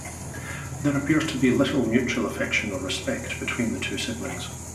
There appears to be little mutual affection or respect between the two siblings.